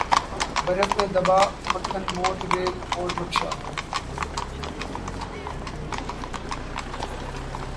برف میں دبا مکھن موت ریل اور رکشا